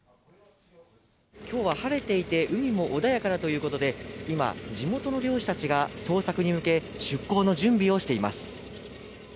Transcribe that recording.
今日は晴れていて、海も穏やかだということで今、地元の漁師たちが捜索に向け出港の準備をしています。